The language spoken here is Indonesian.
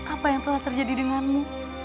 apa yang telah terjadi denganmu